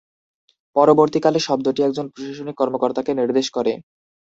পরবর্তীকালে শব্দটি একজন প্রশাসনিক কর্মকর্তাকে নির্দেশ করে।